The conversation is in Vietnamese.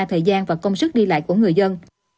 thời gian và công sức đi lại của người dân